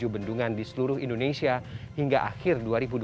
tujuh bendungan di seluruh indonesia hingga akhir dua ribu dua puluh